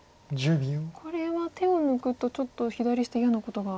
これは手を抜くとちょっと左下嫌なことが。